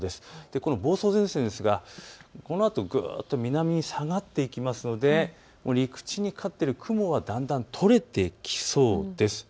この房総前線ですがこのあとぐっと南に下がっていきますので陸地にかかっている雲はだんだん取れてきそうです。